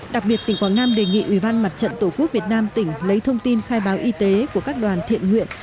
đặc biệt tỉnh quảng nam đề nghị ủy ban mặt trận tổ quốc việt nam tỉnh lấy thông tin khai báo y tế của các đoàn thiện nguyện